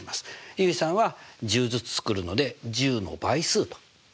結衣さんは１０ずつ作るので１０の倍数というのを使ってるんですね。